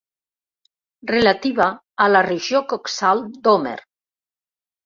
Relativa a la regió coxal d'Homer.